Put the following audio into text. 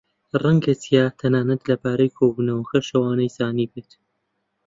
ڕەنگە چیا تەنانەت لەبارەی کۆبوونەوەکەشەوە نەیزانیبێت.